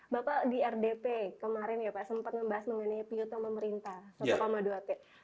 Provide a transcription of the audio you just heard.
bapak di rdp kemarin ya pak sempat membahas mengenai piutang pemerintah satu dua t